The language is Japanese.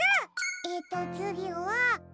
えっとつぎは。